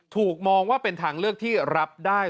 ถูกมองว่าเป็นทางเลือกที่รับได้